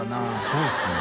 そうですね。